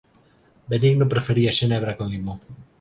Benigno prefería xenebra con limón.